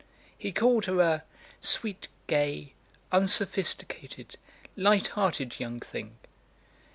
He called her a "sweet, gay, unsophisticated, light hearted young thing."